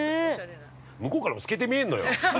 向こうから透けて見えるのよ。